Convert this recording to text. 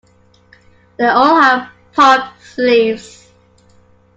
They all had puffed sleeves.